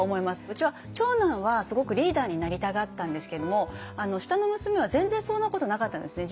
うちは長男はすごくリーダーになりたがったんですけども下の娘は全然そんなことなかったんですね。